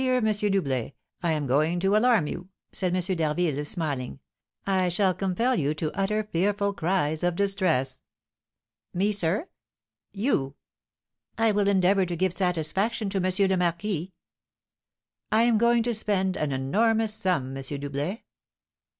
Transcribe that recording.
Doublet, I am going to alarm you," said M. d'Harville, smiling; "I shall compel you to utter fearful cries of distress." "Me, sir?" "You." "I will endeavour to give satisfaction to M. le Marquis." "I am going to spend an enormous sum, M. Doublet."